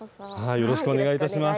よろしくお願いします。